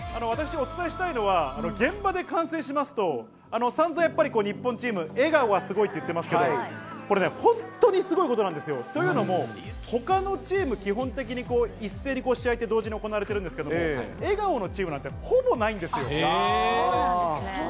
私、お伝えしたいのは、現場で観戦しますと、さんざんやっぱり日本チーム、笑顔がすごいって言ってますけど、これ本当にすごいことなんですよ。というのも、ほかのチーム、基本的に一斉に試合って、同時に行われてるんですけど、笑顔のチームなんてほぼ、ないんですよ。